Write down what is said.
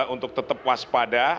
untuk tetap waspada